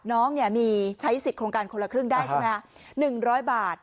น้องเนี้ยมีใช้สิทธิ์โครงการคนละครึ่งได้ใช่ไหมฮะหนึ่งร้อยบาท